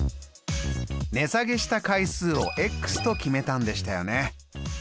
値下げした回数をと決めたんでしたよね。